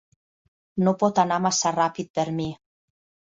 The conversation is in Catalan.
No pot anar massa ràpid per mi.